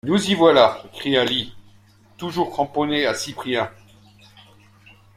Nous y voilà! cria Lî, toujours cramponné à Cyprien.